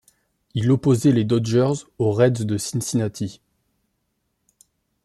Il opposait les Dodgers aux Reds de Cincinnati.